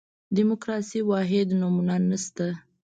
دیموکراسي واحده نمونه نه شته.